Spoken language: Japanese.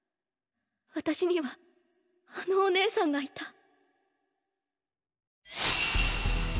私にはあのお姉さんがいた。